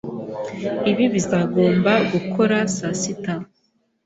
Ibi bizagomba gukora saa sita.